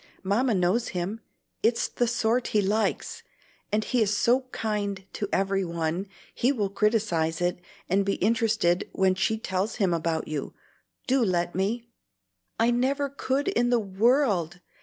Mamma knows him; it's the sort he likes, and he is so kind to every one, he will criticise it, and be interested when she tells him about you. Do let me!" "I never could in the world!